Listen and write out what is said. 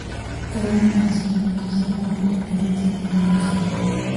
Cada uno de los elementos del conjunto final tiene un origen.